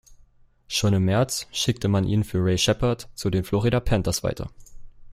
Schon im März schickte man ihn für Ray Sheppard zu den Florida Panthers weiter.